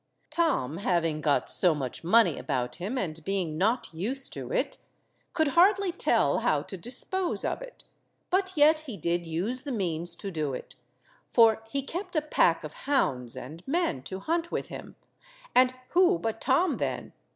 Tom having got so much money about him, and being not used to it, could hardly tell how to dispose of it, but yet he did use the means to do it, for he kept a pack of hounds and men to hunt with him, and who but Tom then?